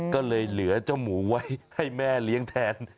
ก็เลยเหลือเจ้าหมูไว้ให้แม่เลี้ยงแทน